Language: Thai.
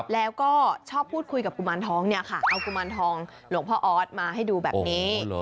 แล้วก็ชอบพูดคุยกับกุมารทองเนี่ยค่ะเอากุมารทองหลวงพ่อออสมาให้ดูแบบนี้